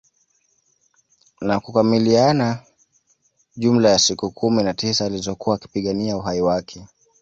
Na kukamiliaha jumla ya siku kumi na tisa alizokuwa akipigania uhai wake